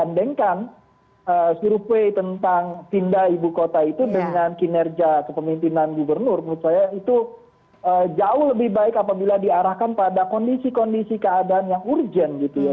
bandingkan survei tentang pindah ibu kota itu dengan kinerja kepemimpinan gubernur menurut saya itu jauh lebih baik apabila diarahkan pada kondisi kondisi keadaan yang urgent gitu ya